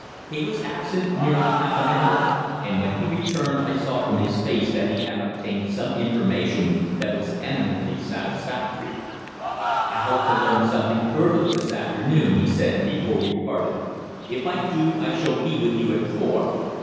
He was absent nearly half an hour, and when he returned I saw from his face that he had obtained some information that was eminently satisfactory. "I hope to learn something further this afternoon," he said before we parted. "If I do I shall be with you at four."